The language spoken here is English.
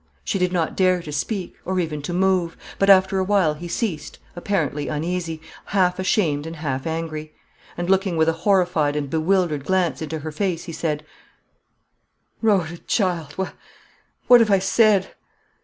She did not dare to speak, or even to move; but after a while he ceased, appeared uneasy, half ashamed and half angry; and looking with a horrified and bewildered glance into her face, he said "Rhoda, child, what what have I said?